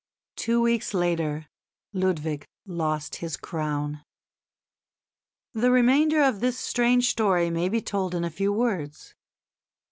Two weeks later Ludwig lost his crown. The remainder of this strange story may be told in a few words.